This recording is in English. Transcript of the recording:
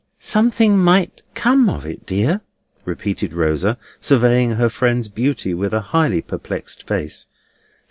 "Something might come of it, dear?" repeated Rosa, surveying her friend's beauty with a highly perplexed face.